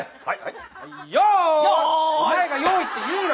はい。